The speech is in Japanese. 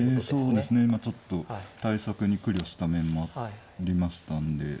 そうですねちょっと対策に苦慮した面もありましたんで。